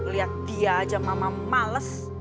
lihat dia aja mama males